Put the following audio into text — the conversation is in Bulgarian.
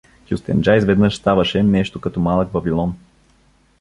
Кюстенджа изведнъж ставаше нещо като малък Вавилон.